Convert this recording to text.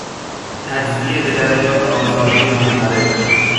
تجزیه به درجات آزادی منفرد